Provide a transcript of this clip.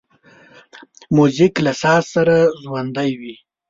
موزیک له ساز سره ژوندی وي.